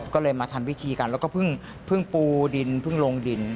ก็เลยมาทำพิธีกันแล้วก็เพิ่งปูดินเพิ่งลงดิน